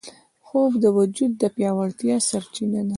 خوب د وجود د پیاوړتیا سرچینه ده